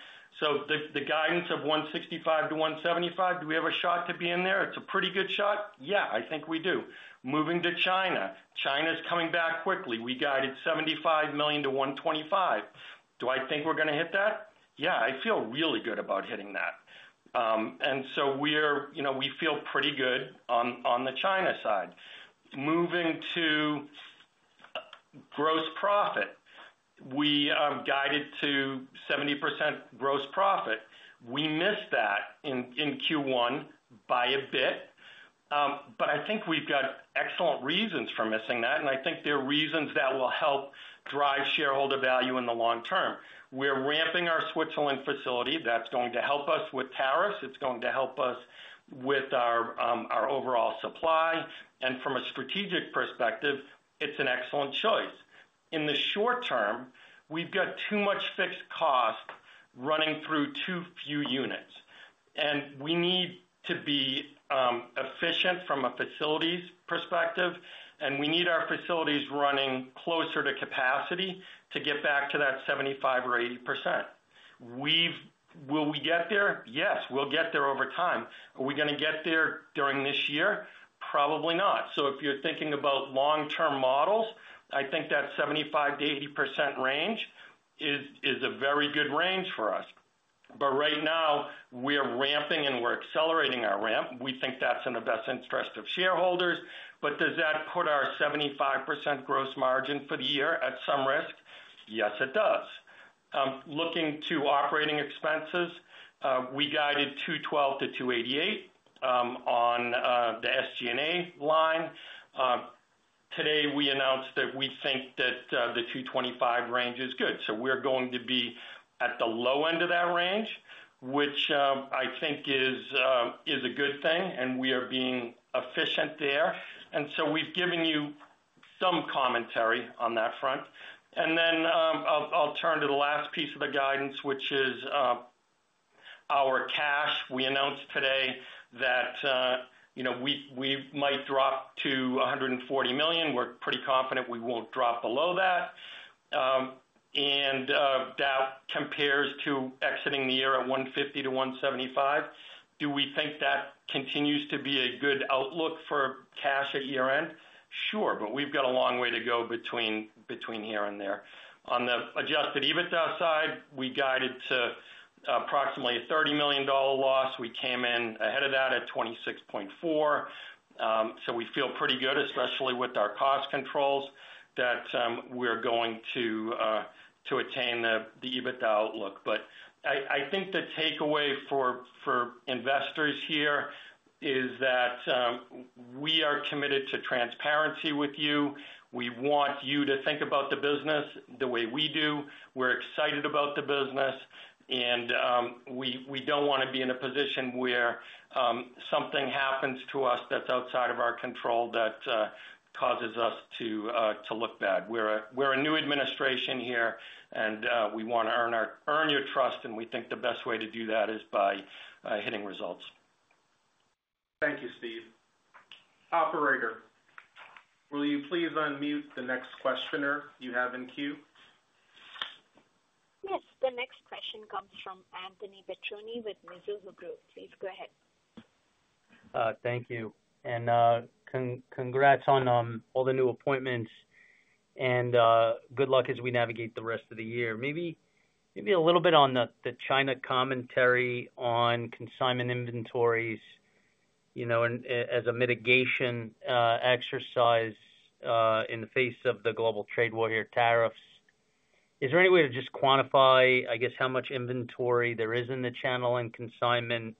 The guidance of $165-$175, do we have a shot to be in there? It's a pretty good shot. Yeah, I think we do. Moving to China. China's coming back quickly. We guided $75 million-$125 million. Do I think we're going to hit that? Yeah, I feel really good about hitting that. We feel pretty good on the China side. Moving to gross profit. We guided to 70% gross profit. We missed that in Q1 by a bit. I think we've got excellent reasons for missing that. I think there are reasons that will help drive shareholder value in the long term. We're ramping our Switzerland facility. That's going to help us with tariffs. It's going to help us with our overall supply. From a strategic perspective, it's an excellent choice. In the short term, we've got too much fixed cost running through too few units. We need to be efficient from a facilities perspective. We need our facilities running closer to capacity to get back to that 75-80%. Will we get there? Yes, we'll get there over time. Are we going to get there during this year? Probably not. If you're thinking about long-term models, I think that 75%-80% range is a very good range for us. Right now, we're ramping and we're accelerating our ramp. We think that's in the best interest of shareholders. Does that put our 75% gross margin for the year at some risk? Yes, it does. Looking to operating expenses, we guided $212 million-$288 million on the SG&A line. Today, we announced that we think that the $225 million range is good. We're going to be at the low end of that range, which I think is a good thing. We are being efficient there. We've given you some commentary on that front. I'll turn to the last piece of the guidance, which is our cash. We announced today that we might drop to $140 million. We're pretty confident we won't drop below that. That compares to exiting the year at $150 million-$175 million. Do we think that continues to be a good outlook for cash at year-end? Sure. We have a long way to go between here and there. On the adjusted EBITDA side, we guided to approximately a $30 million loss. We came in ahead of that at $26.4 million. We feel pretty good, especially with our cost controls, that we are going to attain the EBITDA outlook. I think the takeaway for investors here is that we are committed to transparency with you. We want you to think about the business the way we do. We are excited about the business. We do not want to be in a position where something happens to us that is outside of our control that causes us to look bad. We are a new administration here, and we want to earn your trust. We think the best way to do that is by hitting results. Thank you, Steve. Operator, will you please unmute the next questioner you have in queue? Yes. The next question comes from Anthony Petrone with Mizuho Group. Please go ahead. Thank you. Congrats on all the new appointments. Good luck as we navigate the rest of the year. Maybe a little bit on the China commentary on consignment inventories as a mitigation exercise in the face of the global trade war here, tariffs. Is there any way to just quantify, I guess, how much inventory there is in the channel and consignment?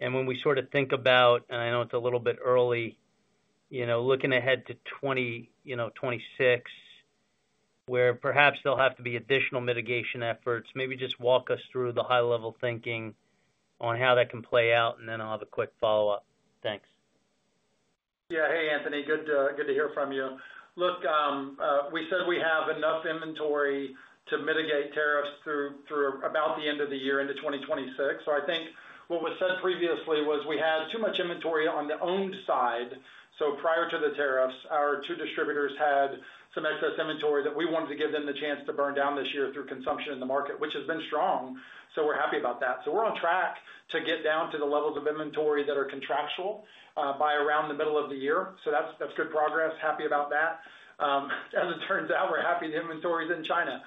When we sort of think about, and I know it's a little bit early, looking ahead to 2026, where perhaps there will have to be additional mitigation efforts, maybe just walk us through the high-level thinking on how that can play out, and then I'll have a quick follow-up. Thanks. Yeah. Hey, Anthony. Good to hear from you. Look, we said we have enough inventory to mitigate tariffs through about the end of the year into 2026. I think what was said previously was we had too much inventory on the owned side. Prior to the tariffs, our two distributors had some excess inventory that we wanted to give them the chance to burn down this year through consumption in the market, which has been strong. We are happy about that. We are on track to get down to the levels of inventory that are contractual by around the middle of the year. That is good progress. Happy about that. As it turns out, we are happy the inventory is in China.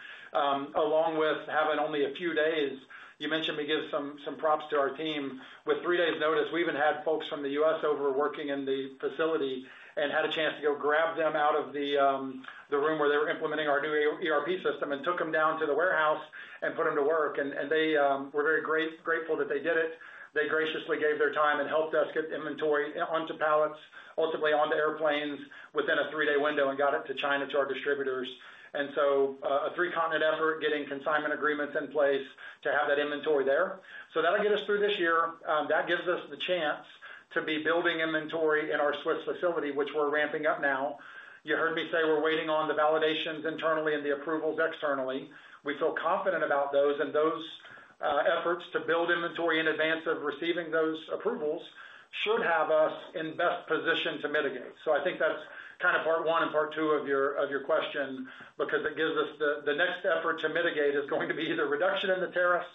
Along with having only a few days, you mentioned we give some props to our team with three days' notice. We even had folks from the U.S. over working in the facility and had a chance to go grab them out of the room where they were implementing our new ERP system and took them down to the warehouse and put them to work. They were very grateful that they did it. They graciously gave their time and helped us get inventory onto pallets, ultimately onto airplanes within a three-day window and got it to China to our distributors. A three-continent effort, getting consignment agreements in place to have that inventory there. That will get us through this year. That gives us the chance to be building inventory in our Swiss facility, which we are ramping up now. You heard me say we are waiting on the validations internally and the approvals externally. We feel confident about those. Those efforts to build inventory in advance of receiving those approvals should have us in best position to mitigate. I think that is kind of part one and part two of your question because it gives us the next effort to mitigate, which is going to be the reduction in the tariffs.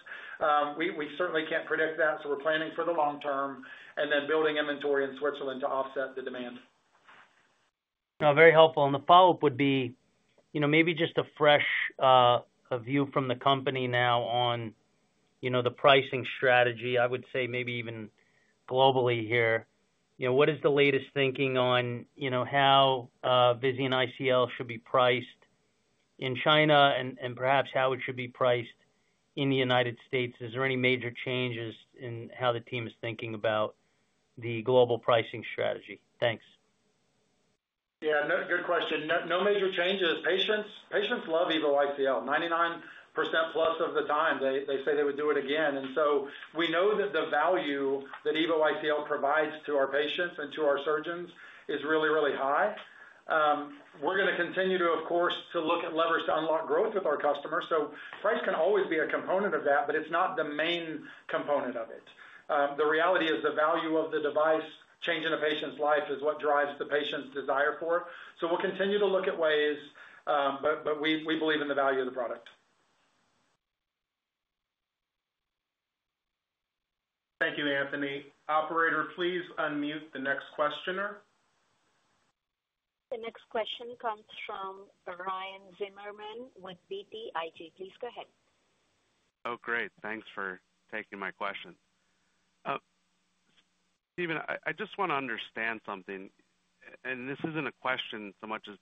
We certainly cannot predict that. We are planning for the long term and then building inventory in Switzerland to offset the demand. Very helpful. The follow-up would be maybe just a fresh view from the company now on the pricing strategy. I would say maybe even globally here. What is the latest thinking on how EVO ICL should be priced in China and perhaps how it should be priced in the United States? Is there any major changes in how the team is thinking about the global pricing strategy? Thanks. Yeah. Good question. No major changes. Patients love EVO ICL. 99% plus of the time, they say they would do it again. We know that the value that EVO ICL provides to our patients and to our surgeons is really, really high. We are going to continue to, of course, look at levers to unlock growth with our customers. Price can always be a component of that, but it is not the main component of it. The reality is the value of the device changing a patient's life is what drives the patient's desire for it. We will continue to look at ways, but we believe in the value of the product. Thank you, Anthony. Operator, please unmute the next questioner. The next question comes from Ryan Zimmerman with BTIG. Please go ahead. Oh, great. Thanks for taking my question. Steven, I just want to understand something. And this isn't a question so much as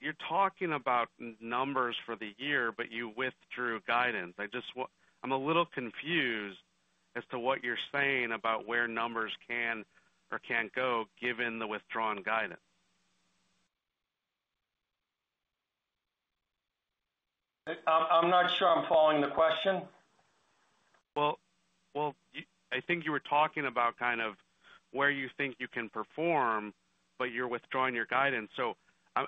you're talking about numbers for the year, but you withdrew guidance. I'm a little confused as to what you're saying about where numbers can or can't go given the withdrawn guidance. I'm not sure I'm following the question. I think you were talking about kind of where you think you can perform, but you're withdrawing your guidance. I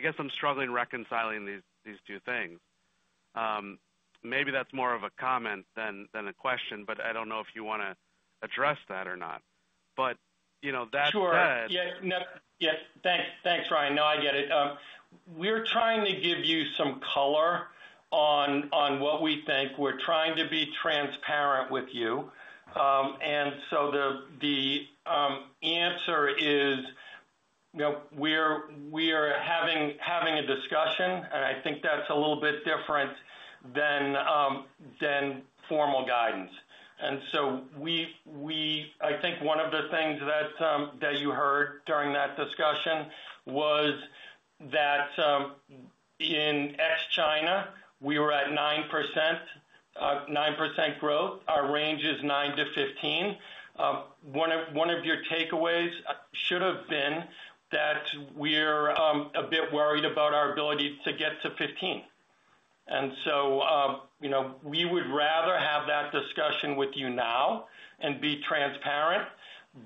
guess I'm struggling reconciling these two things. Maybe that's more of a comment than a question, but I don't know if you want to address that or not. That said. Sure. Yes. Thanks, Ryan. No, I get it. We're trying to give you some color on what we think. We're trying to be transparent with you. The answer is we're having a discussion, and I think that's a little bit different than formal guidance. I think one of the things that you heard during that discussion was that in ex-China, we were at 9% growth. Our range is 9%-15%. One of your takeaways should have been that we're a bit worried about our ability to get to 15%. We would rather have that discussion with you now and be transparent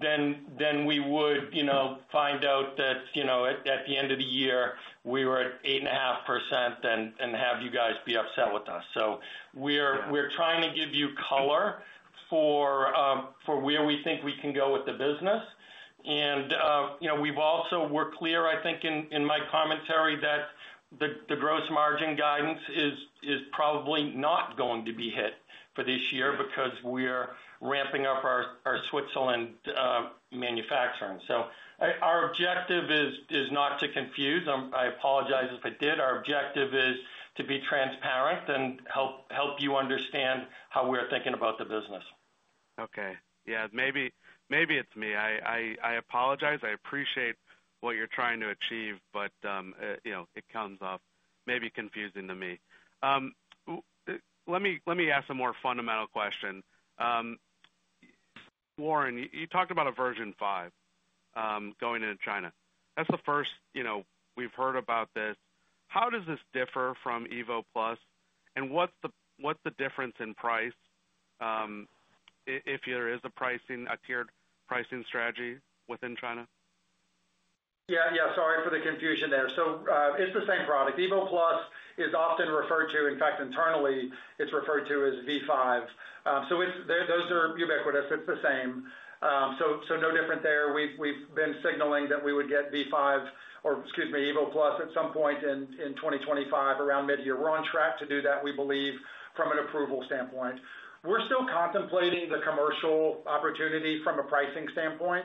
than we would find out that at the end of the year, we were at 8.5% and have you guys be upset with us. We're trying to give you color for where we think we can go with the business. We also were clear, I think, in my commentary that the gross margin guidance is probably not going to be hit for this year because we're ramping up our Switzerland manufacturing. Our objective is not to confuse. I apologize if I did. Our objective is to be transparent and help you understand how we're thinking about the business. Okay. Yeah. Maybe it's me. I apologize. I appreciate what you're trying to achieve, but it comes off maybe confusing to me. Let me ask a more fundamental question. Warren, you talked about a version five going into China. That's the first we've heard about this. How does this differ from EVO Plus? And what's the difference in price if there is a tiered pricing strategy within China? Yeah. Yeah. Sorry for the confusion there. It's the same product. EVO Plus is often referred to, in fact, internally, it's referred to as V5. Those are ubiquitous. It's the same. No different there. We've been signaling that we would get V5 or, excuse me, EVO Plus at some point in 2025, around mid-year. We're on track to do that, we believe, from an approval standpoint. We're still contemplating the commercial opportunity from a pricing standpoint,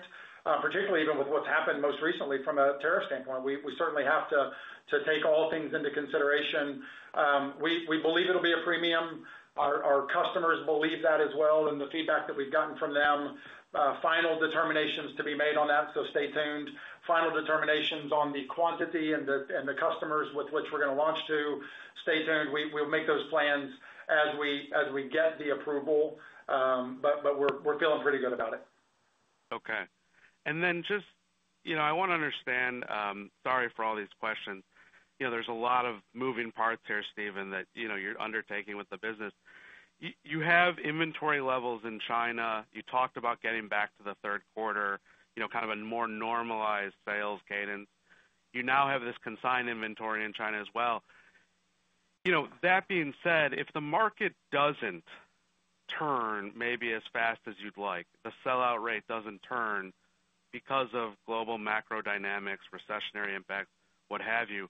particularly even with what's happened most recently from a tariff standpoint. We certainly have to take all things into consideration. We believe it'll be a premium. Our customers believe that as well and the feedback that we've gotten from them. Final determinations to be made on that. Stay tuned. Final determinations on the quantity and the customers with which we're going to launch to. Stay tuned. We'll make those plans as we get the approval. We're feeling pretty good about it. Okay. I want to understand, sorry for all these questions. There is a lot of moving parts here, Steven, that you are undertaking with the business. You have inventory levels in China. You talked about getting back to the third quarter, kind of a more normalized sales cadence. You now have this consigned inventory in China as well. That being said, if the market does not turn maybe as fast as you would like, the sell-out rate does not turn because of global macro dynamics, recessionary impact, what have you,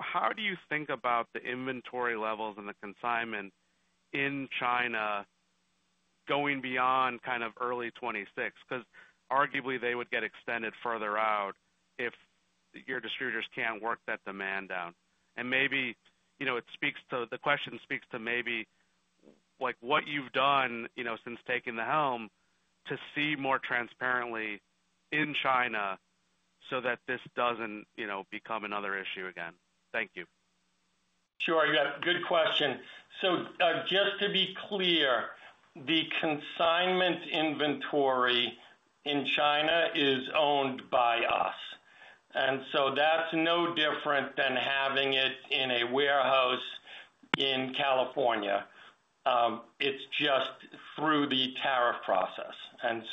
how do you think about the inventory levels and the consignment in China going beyond kind of early 2026? Because arguably they would get extended further out if your distributors cannot work that demand down. Maybe it speaks to the question, speaks to maybe what you've done since taking the helm to see more transparently in China so that this doesn't become another issue again. Thank you. Sure. Yeah. Good question. Just to be clear, the consignment inventory in China is owned by us. That is no different than having it in a warehouse in California. It is just through the tariff process. That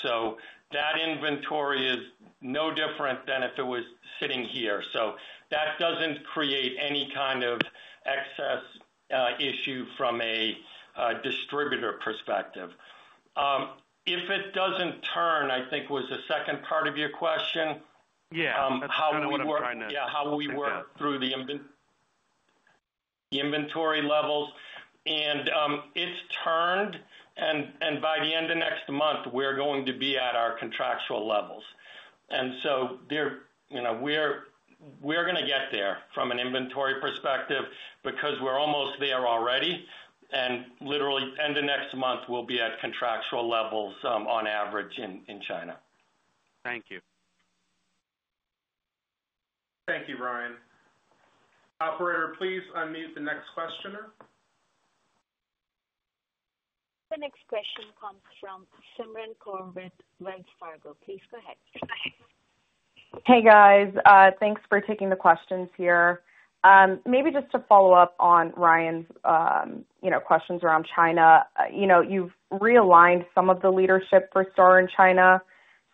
inventory is no different than if it was sitting here. That does not create any kind of excess issue from a distributor perspective. If it does not turn, I think that was the second part of your question. Yeah. How will we work? Yeah. How will we work through the inventory levels? It has turned, and by the end of next month, we're going to be at our contractual levels. We're going to get there from an inventory perspective because we're almost there already. Literally, end of next month, we'll be at contractual levels on average in China. Thank you. Thank you, Ryan. Operator, please unmute the next questioner. The next question comes from Simran Corbett with Wells Fargo. Please go ahead. Hey, guys. Thanks for taking the questions here. Maybe just to follow up on Ryan's questions around China. You've realigned some of the leadership for STAAR in China.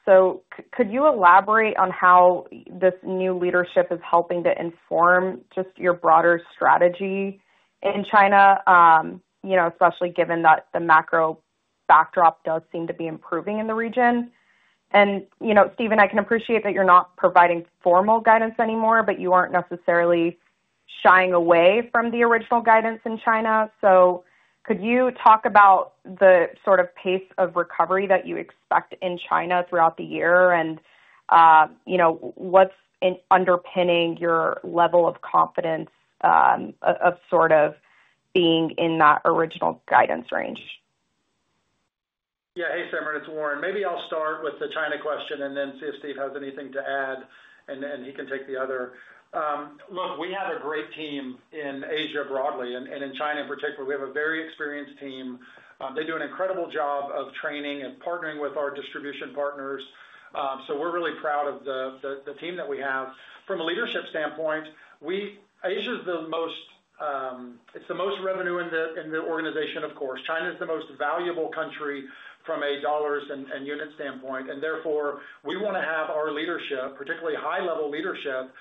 Could you elaborate on how this new leadership is helping to inform just your broader strategy in China, especially given that the macro backdrop does seem to be improving in the region? Steven, I can appreciate that you're not providing formal guidance anymore, but you aren't necessarily shying away from the original guidance in China. Could you talk about the sort of pace of recovery that you expect in China throughout the year and what's underpinning your level of confidence of sort of being in that original guidance range? Yeah. Hey, Simran. It's Warren. Maybe I'll start with the China question and then see if Steve has anything to add, and he can take the other. Look, we have a great team in Asia broadly and in China in particular. We have a very experienced team. They do an incredible job of training and partnering with our distribution partners. So we're really proud of the team that we have. From a leadership standpoint, Asia is the most, it's the most revenue in the organization, of course. China is the most valuable country from a $ and units standpoint. And therefore, we want to have our leadership, particularly high-level leadership,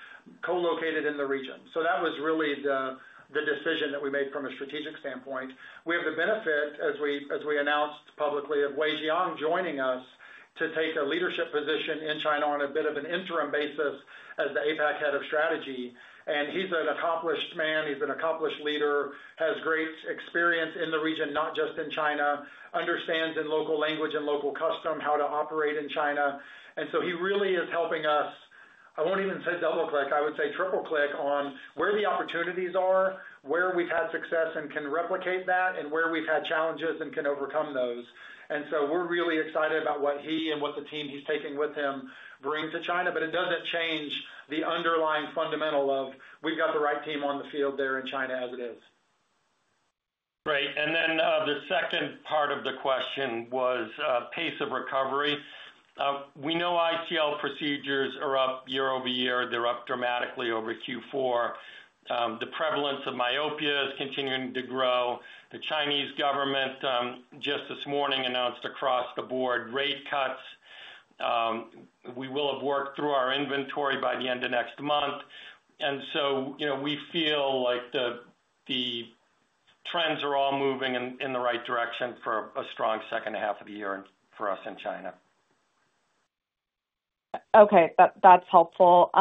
co-located in the region. That was really the decision that we made from a strategic standpoint. We have the benefit, as we announced publicly, of Wei Jiang joining us to take a leadership position in China on a bit of an interim basis as the APAC head of strategy. He is an accomplished man. He is an accomplished leader, has great experience in the region, not just in China, understands in local language and local custom how to operate in China. He really is helping us. I will not even say double-click. I would say triple-click on where the opportunities are, where we have had success and can replicate that, and where we have had challenges and can overcome those. We are really excited about what he and what the team he is taking with him bring to China. It does not change the underlying fundamental of we have got the right team on the field there in China as it is. Right. The second part of the question was pace of recovery. We know ICL procedures are up year-over-year. They're up dramatically over Q4. The prevalence of myopia is continuing to grow. The Chinese government just this morning announced across the board rate cuts. We will have worked through our inventory by the end of next month. We feel like the trends are all moving in the right direction for a strong second 1/2 of the year for us in China. Okay. That's helpful.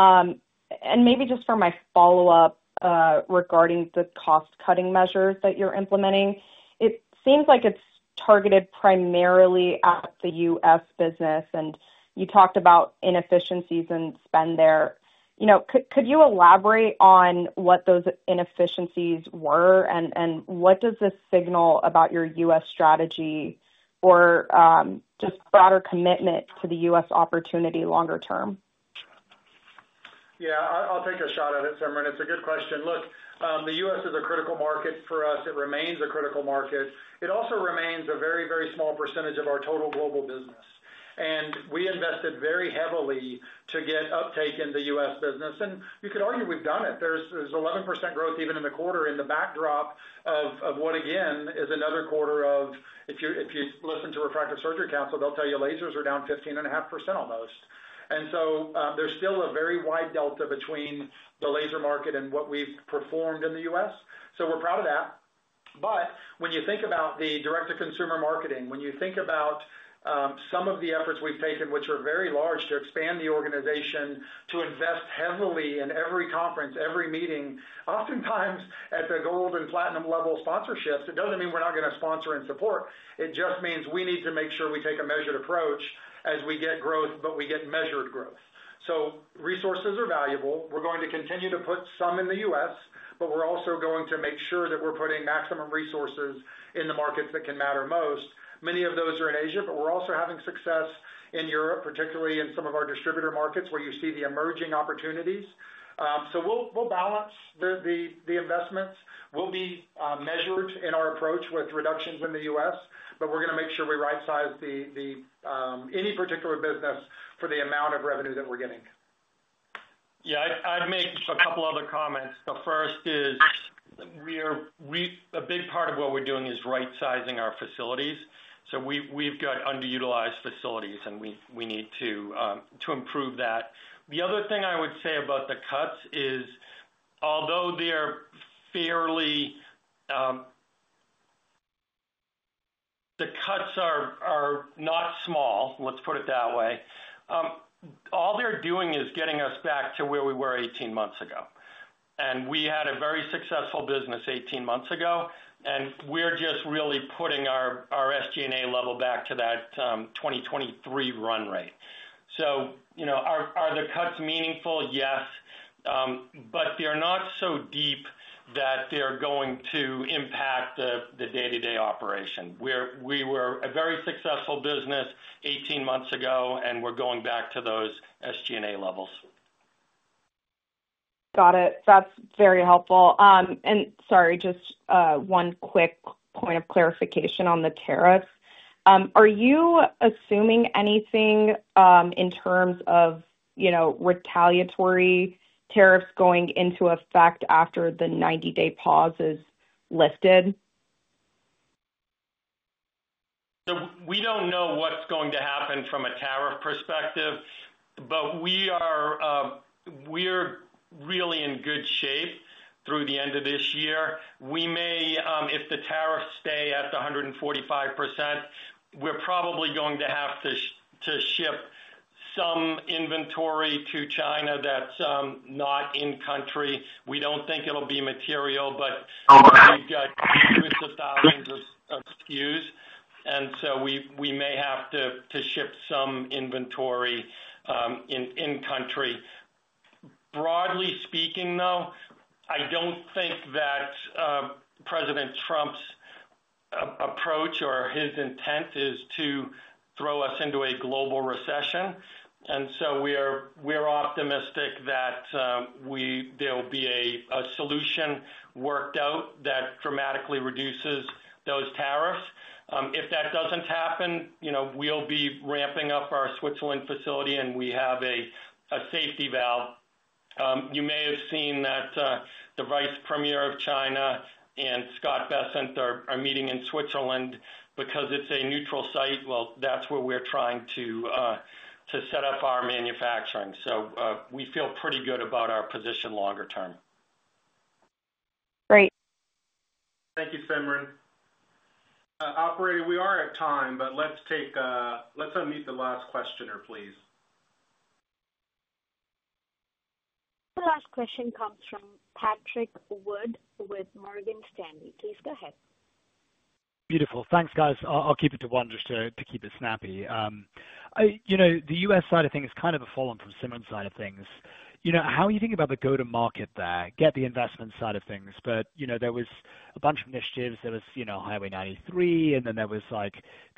Maybe just for my follow-up regarding the cost-cutting measures that you're implementing, it seems like it's targeted primarily at the U.S. business. You talked about inefficiencies and spend there. Could you elaborate on what those inefficiencies were and what does this signal about your U.S. strategy or just broader commitment to the U.S. opportunity longer term? Yeah. I'll take a shot at it, Simran. It's a good question. Look, the U.S. is a critical market for us. It remains a critical market. It also remains a very, very small percentage of our total global business. And we invested very heavily to get uptake in the U.S. business. You could argue we've done it. There's 11% growth even in the quarter in the backdrop of what, again, is another quarter of if you listen to Refractive Surgery Council, they'll tell you lasers are down 15.5% almost. There is still a very wide delta between the laser market and what we've performed in the U.S. We are proud of that. When you think about the direct-to-consumer marketing, when you think about some of the efforts we've taken, which are very large to expand the organization, to invest heavily in every conference, every meeting, oftentimes at the gold and platinum level sponsorships, it doesn't mean we're not going to sponsor and support. It just means we need to make sure we take a measured approach as we get growth, but we get measured growth. Resources are valuable. We're going to continue to put some in the U.S., but we're also going to make sure that we're putting maximum resources in the markets that can matter most. Many of those are in Asia, but we're also having success in Europe, particularly in some of our distributor markets where you see the emerging opportunities. We'll balance the investments. We'll be measured in our approach with reductions in the U.S., but we're going to make sure we right-size any particular business for the amount of revenue that we're getting. Yeah. I'd make a couple other comments. The first is a big part of what we're doing is right-sizing our facilities. We've got underutilized facilities, and we need to improve that. The other thing I would say about the cuts is, although they're fairly—the cuts are not small, let's put it that way. All they're doing is getting us back to where we were 18 months ago. We had a very successful business 18 months ago, and we're just really putting our SG&A level back to that 2023 run rate. Are the cuts meaningful? Yes. They're not so deep that they're going to impact the day-to-day operation. We were a very successful business 18 months ago, and we're going back to those SG&A levels. Got it. That's very helpful. Sorry, just one quick point of clarification on the tariffs. Are you assuming anything in terms of retaliatory tariffs going into effect after the 90-day pause is lifted? We do not know what is going to happen from a tariff perspective, but we are really in good shape through the end of this year. If the tariffs stay at the 145%, we are probably going to have to ship some inventory to China that is not in-country. We do not think it will be material, but we have got hundreds of thousands of SKUs. We may have to ship some inventory in-country. Broadly speaking, though, I do not think that President Trump's approach or his intent is to throw us into a global recession. We are optimistic that there will be a solution worked out that dramatically reduces those tariffs. If that does not happen, we will be ramping up our Switzerland facility, and we have a safety valve. You may have seen that the Vice Premier of China and Scott Bessent are meeting in Switzerland because it is a neutral site. That is where we are trying to set up our manufacturing. So we feel pretty good about our position longer term. Great. Thank you, Simran. Operator, we are at time, but let's unmute the last questioner, please. The last question comes from Patrick Wood with Morgan Stanley. Please go ahead. Beautiful. Thanks, guys. I'll keep it to one or two to keep it snappy. The U.S. side of things is kind of a follow-on from Simran's side of things. How are you thinking about the go-to-market there? Get the investment side of things. But there was a bunch of initiatives. There was Highway 93, and then there was trying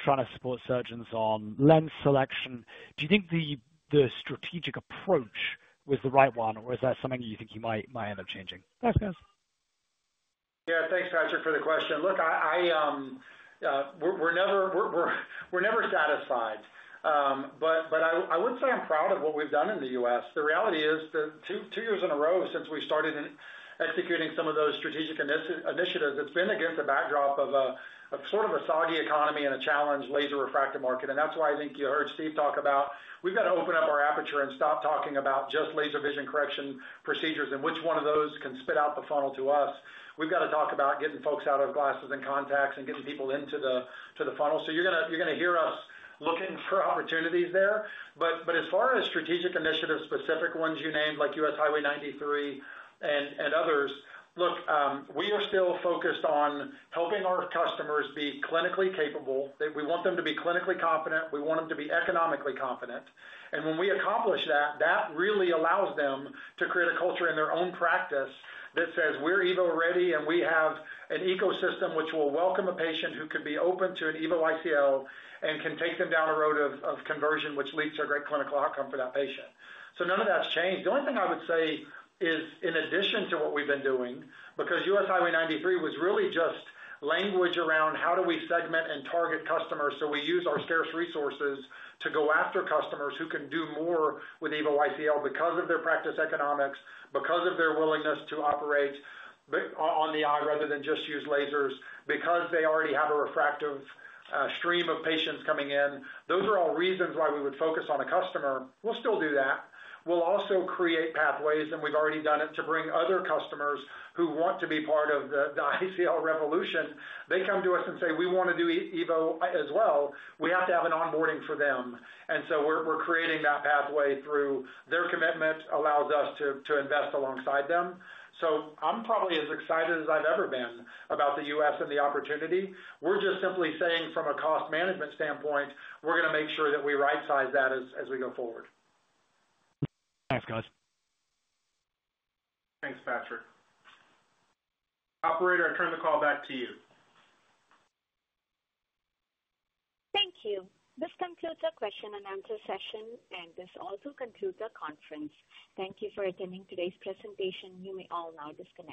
to support surgeons on lens selection. Do you think the strategic approach was the right one, or is that something you think you might end up changing? Thanks, guys. Yeah. Thanks, Patrick, for the question. Look, we're never satisfied. I would say I'm proud of what we've done in the U.S. The reality is that two years in a row since we started executing some of those strategic initiatives, it's been against the backdrop of sort of a soggy economy and a challenged laser refractive market. That is why I think you heard Steve talk about we've got to open up our aperture and stop talking about just laser vision correction procedures and which one of those can spit out the funnel to us. We've got to talk about getting folks out of glasses and contacts and getting people into the funnel. You're going to hear us looking for opportunities there. As far as strategic initiatives, specific ones you named like US Highway 93 and others, look, we are still focused on helping our customers be clinically capable. We want them to be clinically competent. We want them to be economically competent. When we accomplish that, that really allows them to create a culture in their own practice that says, "We're EVO-ready, and we have an ecosystem which will welcome a patient who could be open to an EVO ICL and can take them down a road of conversion, which leads to a great clinical outcome for that patient." None of that's changed. The only thing I would say is, in addition to what we've been doing, because US Highway 93 was really just language around how do we segment and target customers so we use our scarce resources to go after customers who can do more with EVO ICL because of their practice economics, because of their willingness to operate on the eye rather than just use lasers, because they already have a refractive stream of patients coming in. Those are all reasons why we would focus on a customer. We'll still do that. We'll also create pathways, and we've already done it to bring other customers who want to be part of the ICL revolution. They come to us and say, "We want to do EVO as well." We have to have an onboarding for them. We are creating that pathway through their commitment allows us to invest alongside them. I'm probably as excited as I've ever been about the U.S. and the opportunity. We're just simply saying from a cost management standpoint, we're going to make sure that we right-size that as we go forward. Thanks, guys. Thanks, Patrick. Operator, I turn the call back to you. Thank you. This concludes our question and answer session, and this also concludes our conference. Thank you for attending today's presentation. You may all now disconnect.